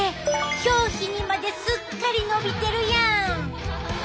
表皮にまですっかり伸びてるやん！